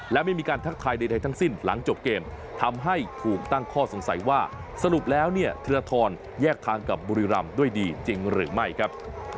และไม่มีการทักทายใดทั้งสิ้นหลังจบเกมทำให้ถูกตั้งข้อสงสัยว่าสรุปแล้วเนี่ยธีรทรแยกทางกับบุรีรำด้วยดีจริงหรือไม่ครับ